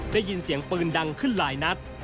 ได้ยินเสียงปืนดังขึ้นหลายนัด